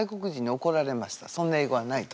そんな英語はないと。